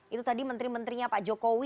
itu tadi menteri menterinya pak jokowi